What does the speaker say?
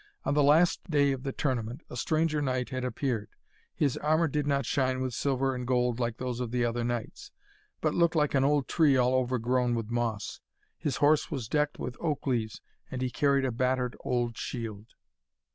On the last day of the tournament a stranger knight had appeared. His armour did not shine with silver and gold like those of the other knights, but looked like an old tree all overgrown with moss. His horse was decked with oak leaves, and he carried a battered old shield.